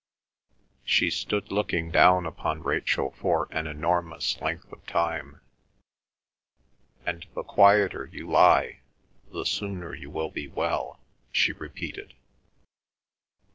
She stood looking down upon Rachel for an enormous length of time. "And the quieter you lie the sooner you will be well," she repeated.